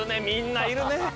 みんないるね！